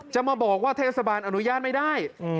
จะมาบอกว่าเทศบาลอนุญาตไม่ได้